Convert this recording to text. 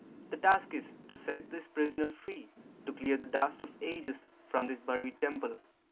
The task is, to set this prisoner free, to clear the dust of ages from this buried temple.